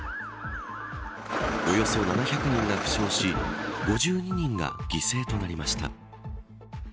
およそ７００人が負傷し５２人が犠牲となりました。